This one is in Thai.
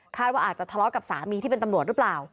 ว่าอาจจะทะเลาะกับสามีที่เป็นตำรวจหรือเปล่า